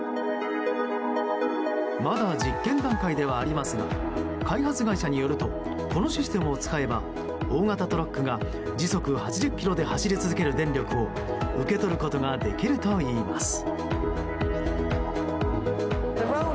まだ実験段階ではありますが開発会社によるとこのシステムを使えば大型トラックが時速８０キロで走り続ける電力を受け取ることができるといいます。